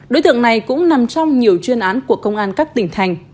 đối tượng này cũng nằm trong nhiều chuyên án của công an các tỉnh thành